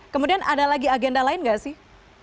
kemudian ada lagi agenda lain gak sih